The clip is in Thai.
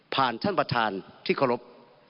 ผ่านท่านประธานที่เคารพ